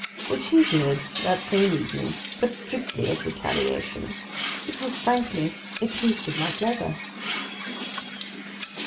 Which he did that same evening, but strictly as retaliation. Because, frankly, it tasted like leather.